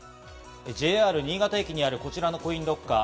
ＪＲ新潟駅にある、こちらのコインロッカー。